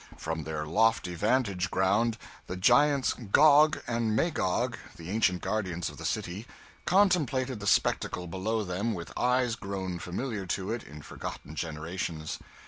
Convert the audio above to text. From their lofty vantage ground the giants Gog and Magog, the ancient guardians of the city, contemplated the spectacle below them with eyes grown familiar to it in forgotten generations.